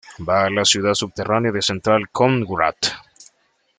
Va a la ciudad subterránea de Central con Wrath.